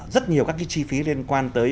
rất nhiều các chi phí liên quan tới